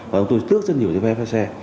và chúng tôi tước rất nhiều giấy phép lái xe